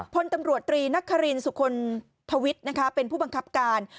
พลตำรวจตรีนักคารินสุคลทวิทย์เป็นผู้บังคับการ